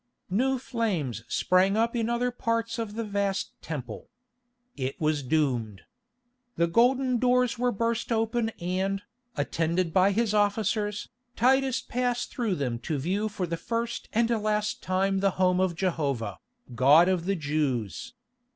New flames sprang up in other parts of the vast Temple. It was doomed. The golden doors were burst open and, attended by his officers, Titus passed through them to view for the first and last time the home of Jehovah, God of the Jews.